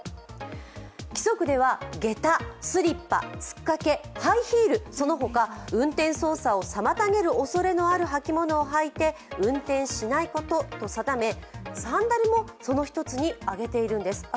規則ではげた、スリッパ、つっかけ、ハイヒール、その他運転操作を妨げるおそれのある履物を履いて運転しないこと」と定めサンダルもその一つに挙げているんですね。